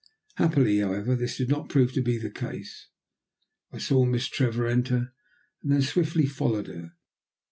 Happily, however, this did not prove to be the case. I saw Miss Trevor enter, and then swiftly followed her.